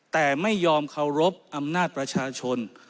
แต่ไม่ยอมเคารพอำนาจประชาชน